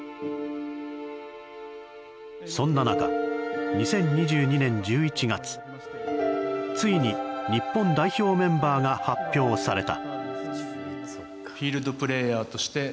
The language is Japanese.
そんな中、２０２２年１１月ついに、日本代表メンバーが発表された。